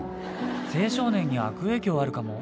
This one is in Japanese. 青少年に悪影響あるかも。